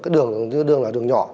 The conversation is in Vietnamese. cái đường là đường nhỏ